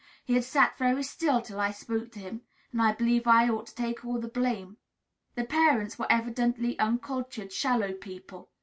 He had sat very still till I spoke to him; and I believe I ought to take all the blame." The parents were evidently uncultured, shallow people.